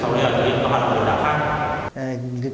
sau đó thì có phải là một đối tượng khác